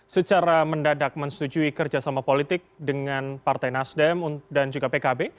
secara mendadak mensetujui kerjasama politik dengan partai nasdem dan juga pkb